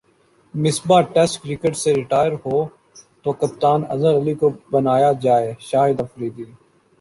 Misbah test cricket سے retire ہو تو کپتان اظہر علی کو بنایا جائےشاہد افریدی